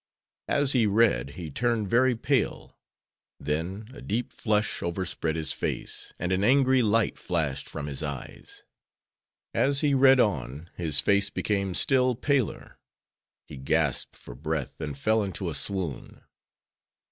As he read, he turned very pale; then a deep flush overspread his face and an angry light flashed from his eyes. As he read on, his face became still paler; he gasped for breath and fell into a swoon.